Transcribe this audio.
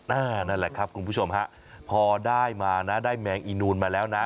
นั่นแหละครับคุณผู้ชมฮะพอได้มานะได้แมงอีนูนมาแล้วนะ